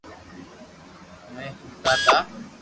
اووي ھوتا تا